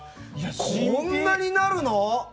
こんなになるの？